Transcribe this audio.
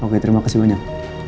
oke terima kasih banyak